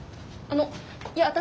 あのいや私。